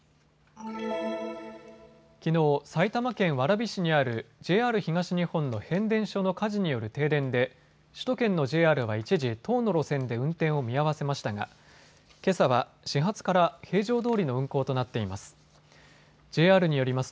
きのう、埼玉県蕨市にあるＪＲ東日本の変電所の火事による停電で首都圏のＪＲは一時、１０の路線で運転を見合わせましたがけさは始発から平常どおりの運行となっています。